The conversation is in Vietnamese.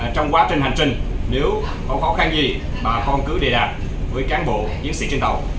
trong quá trình hành trình nếu có khó khăn gì bà con cứ đề đạt với cán bộ chiến sĩ trên tàu